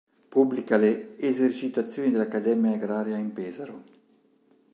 Pubblica le "Esercitazioni dell'Accademia agraria in Pesaro".